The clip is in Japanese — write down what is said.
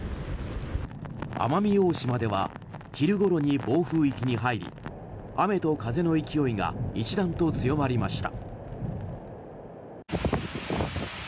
奄美大島では昼ごろに暴風域に入り、雨と風の勢いが一段と強まりました。